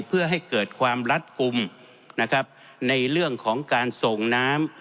เพื่อให้เกิดความรัดกลุ่มนะครับในเรื่องของการส่งน้ำ